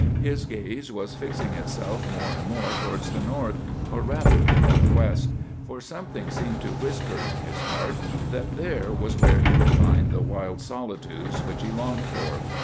His gaze was fixing itself more and more towards the north, or, rather, the north west; for something seemed to whisper in his heart that there was where he would find the wild solitudes which he longed for.